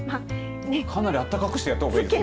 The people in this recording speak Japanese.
かなりあったかくしてやったほうがいいですね。